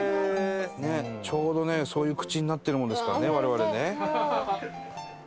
ちょうどねそういう口になってるもんですからね我々ね。